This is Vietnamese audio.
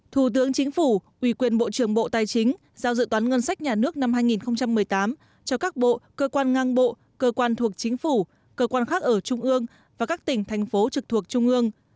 thủ tướng chính phủ ủy quyền bộ trưởng bộ tài chính giao dự toán ngân sách nhà nước năm hai nghìn một mươi tám cho các bộ cơ quan ngang bộ cơ quan thuộc chính phủ cơ quan khác ở trung ương và các tỉnh thành phố trực thuộc trung ương